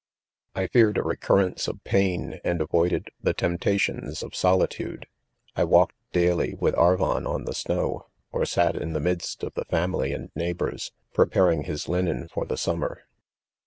• i I feared a recurrence of pain, and avoids ci the temptations of solitude. I walked daily with Arvbn on the snow, or sat in theK^&'iofethe family and neighbors^ preparingi'Ms^Mnen iof the summer.